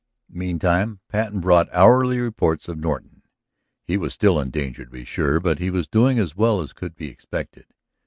Meantime Patten brought hourly reports of Norton. He was still in danger, to be sure; but he was doing as well as could be expected.